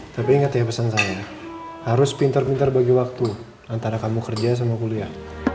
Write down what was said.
tapi ingat ya pesan saya harus pintar pintar bagi waktu antara kamu kerja sama kuliah